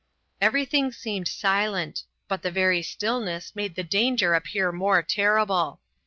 Everything seemed silent, but the very stillness made the danger appear more terrible.